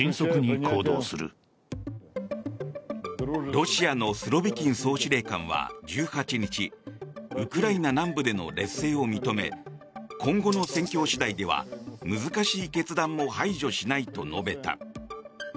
ロシアのスロビキン総司令官は１８日ウクライナ南部での劣勢を認め今後の戦況次第では難しい決断も排除しないと述べた。